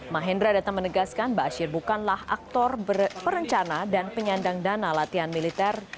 mahendra data menegaskan bashir bukanlah aktor perencana dan penyandang dana latihan militer